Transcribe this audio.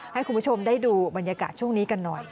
ให้คุณผู้ชมได้ดูบรรยากาศช่วงนี้กันหน่อย